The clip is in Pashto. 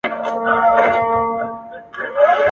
نه په سیند نه په ویالو کي به بهیږي ..